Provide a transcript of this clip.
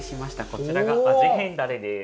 こちらが味変だれです。